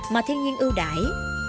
mà thiên nhiên ưu đại